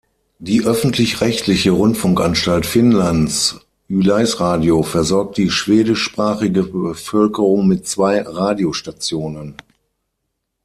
Die öffentlich-rechtliche Rundfunkanstalt Finnlands Yleisradio versorgt die schwedischsprachige Bevölkerung mit zwei Radiostationen.